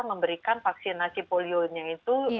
memberikan vaksinasi polionya itu